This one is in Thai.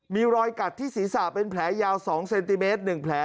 มีรอยกัดที่ศีรษะเป็นแผลยาว๒เซนติเมตร๑แผล